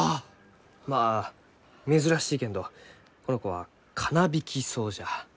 まあ珍しいけんどこの子はカナビキソウじゃ。